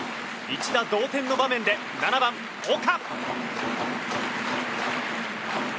一打同点の場面で７番、岡。